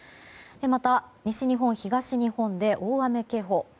また、西日本、東日本で大雨警報。